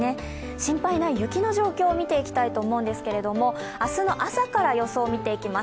心配な雪の状況を見ていきたいと思いますけれども明日の朝から予想見ていきます。